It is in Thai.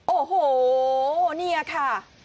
โอนี่ค่ะ